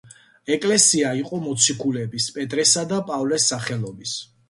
ეკლესია იყო მოციქულების პეტრესა და პავლეს სახელობის.